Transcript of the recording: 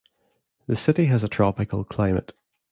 The city has a tropical climate.